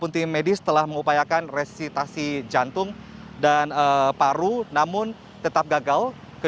tim medis telah berusia dua puluh tiga menit lalu saya mendapatkan informasi